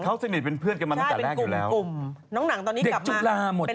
เขาสนิทเป็นเพื่อนกันมาตั้งแต่แรกอยู่แล้วน้องหนังตอนนี้กลับมาเด็กจุฬาหมดใช่ไหม